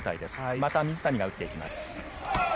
また、水谷が打っていきます。